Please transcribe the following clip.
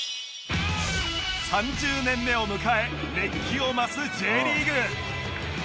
３０年目を迎え熱気を増す Ｊ リーグ